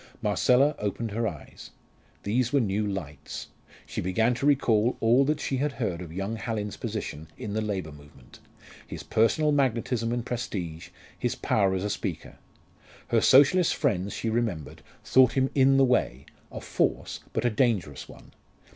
Marcella opened her eyes. These were new lights. She began to recall all that she had heard of young Hallin's position in the Labour movement; his personal magnetism and prestige; his power as a speaker. Her Socialist friends, she remembered, thought him in the way a force, but a dangerous one.